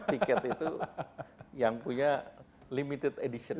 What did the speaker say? tiket itu yang punya limited edition